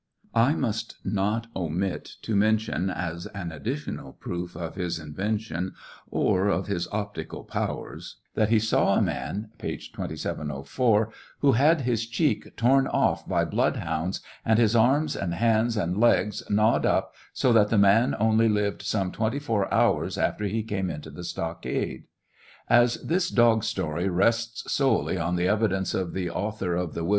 I must not omit to mention as an additional proof of his invention or of his optical powers that he saw a man (p 2704) who had his cheek torn off by bloodhounds, and his arms and hands and legs gnawed up so that the man only lived some twenty four hours after he came into the stockade. As this dog story rests solely on the evidence of the author of the " Wm.